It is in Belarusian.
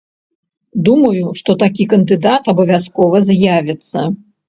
Думаю, што такі кандыдат абавязкова з'явіцца.